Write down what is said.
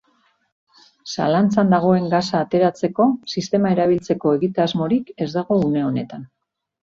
Zalantzan dagoen gasa ateratzeko sistema erabiltzeko egitasmorik ez dago une honetan.